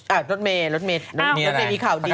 อ่ะนดเมย์นดเมย์มีข่าวดี